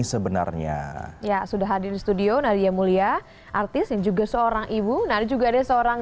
sebenarnya ya sudah hadir studio nadia mulia artis yang juga seorang ibu nadia juga ada seorang